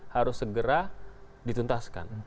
harus segera dituntaskan